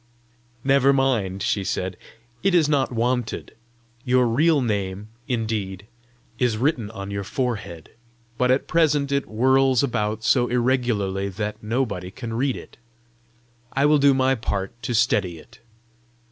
"Never mind," she said; "it is not wanted. Your real name, indeed, is written on your forehead, but at present it whirls about so irregularly that nobody can read it. I will do my part to steady it.